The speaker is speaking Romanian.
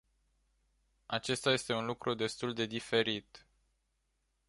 Acesta este un lucru destul de diferit.